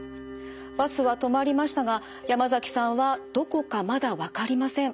バスは止まりましたが山崎さんはどこかまだわかりません。